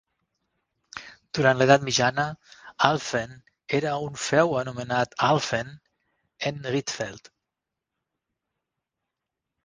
Durant l'edat mitjana, Alphen era un feu anomenat Alphen en Rietveld.